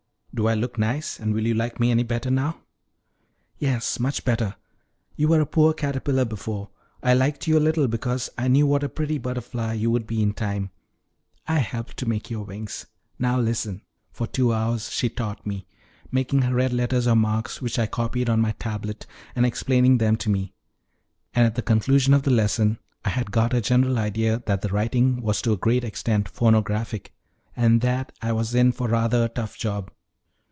Do I look nice; and will you like me any better now?" "Yes, much better. You were a poor caterpillar before; I liked you a little because I knew what a pretty butterfly you would be in time. I helped to make your wings. Now, listen." For two hours she taught me, making her red letters or marks, which I copied on my tablet, and explaining them to me; and at the conclusion of the lesson, I had got a general idea that the writing was to a great extent phonographic, and that I was in for rather a tough job.